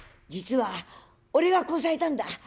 「実は俺がこさえたんだ。